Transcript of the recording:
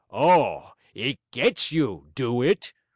Oh, it "gets you", do it?